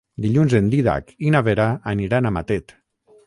Dilluns en Dídac i na Vera aniran a Matet.